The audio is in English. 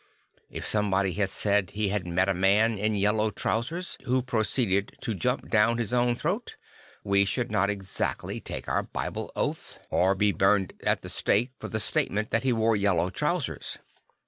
If somebody said he had met a man in yellow trousers. who proceeded to jump down his own throat, we should not exactly take our Bible oath 15 8 St. Francis of Assisi or be burned at the stake for the statement that he wore yellow trousers.